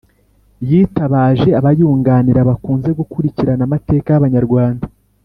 yitabaje abayunganira bakunze gukurikirana amateka y'Abanyarwanda.